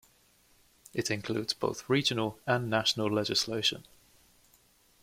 It includes both regional and national legislation.